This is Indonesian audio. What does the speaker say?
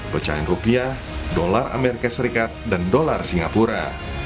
pecahan rupiah dolar amerika serikat dan dolar singapura